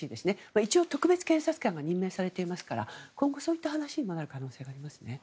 一応、特別検察官は任命されていますから今後、そういった話にもなってくると思いますね。